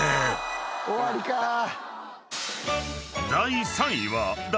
終わりかぁ。